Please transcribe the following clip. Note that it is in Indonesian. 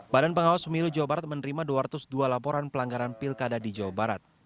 badan pengawas pemilu jawa barat menerima dua ratus dua laporan pelanggaran pilkada di jawa barat